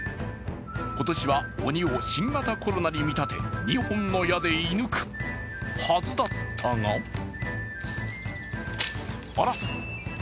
今年は鬼を新型コロナに見立て、２本の矢で射ぬくはずだったがあら？